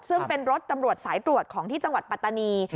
ซึ่งเป็นรถตำรวจสายตรวจของที่จังหวัดปัตตานี